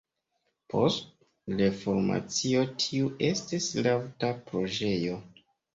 Post Reformacio tiu estis latva preĝejo.